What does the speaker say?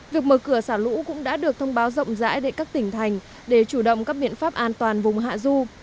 việc mở cửa xả lũ cũng đã được thông báo rộng rãi đến các tỉnh thành để chủ động các biện pháp an toàn vùng hạ du